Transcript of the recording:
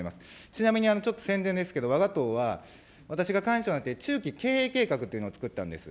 ちなみにちょっと宣伝ですけど、わが党は、私が幹事となって、中期経営計画というのをつくったんです。